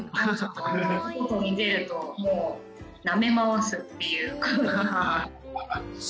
外に出るともう舐めまわすっていうことが。